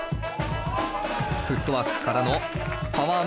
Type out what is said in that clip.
フットワークからのパワームーブ。